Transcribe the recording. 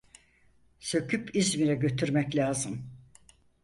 Söküp İzmir'e götürmek lazım.